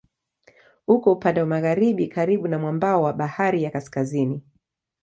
Uko upande wa magharibi karibu na mwambao wa Bahari ya Kaskazini.